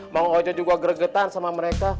mau aja juga geregetan sama mereka